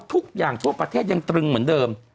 ทุกอย่างทั่วประเทศยังตรึงเหมือนเดิม